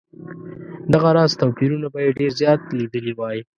دغه راز توپیرونه به یې ډېر زیات لیدلي وای.